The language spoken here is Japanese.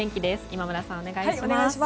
今村さん、お願いします。